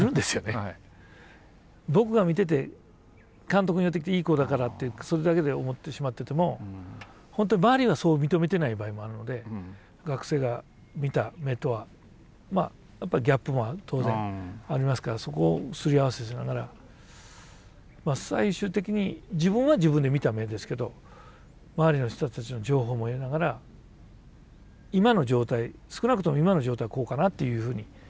僕が見てて監督に寄ってきていい子だからってそれだけで思ってしまってても本当に周りがそう認めてない場合もあるので学生が見た目とはやっぱりギャップも当然ありますからそこをすり合わせしながら最終的に自分は自分で見た目ですけど周りの人たちの情報も得ながら今の状態少なくとも今の状態はこうかなというふうに。